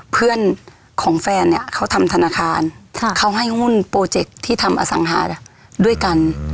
เพื่อนของแฟนเนี่ยเขาทำธนาคารเขาให้หุ้นโปรเจคที่ทำอสังหาด้วยกัน